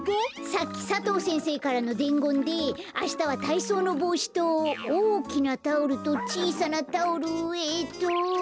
さっき佐藤先生からのでんごんであしたはたいそうのぼうしとおおきなタオルとちいさなタオルえっと。